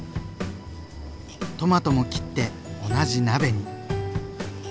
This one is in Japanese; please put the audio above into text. トマトも切って同じ鍋に。